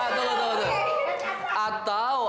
atau atau atau